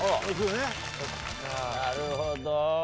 なるほど。